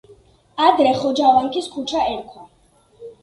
ადრე ხოჯავანქის ქუჩა ერქვა.